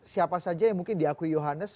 siapa saja yang diakui johannes